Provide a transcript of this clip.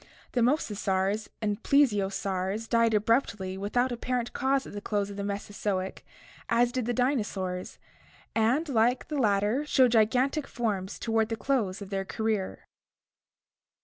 The mosasaurs and plesiosaurs died abruptly without apparent cause at the close of the Mesozoic, as did the dinosaurs, and, like the latter, showed gigantic forms toward the close of their career.